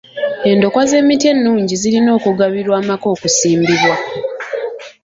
Endokwa z'emiti ennungi zirina okugabirwa amaka okusimbibwa.